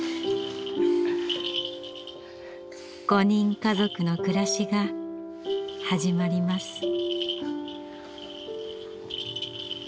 ５人家族の暮らしが始まります。